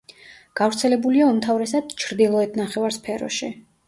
გავრცელებულია უმთავრესად ჩრდილოეთ ნახევარსფეროში.